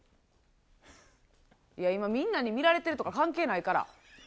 いや、今みんなに見られてるとか関係ないから。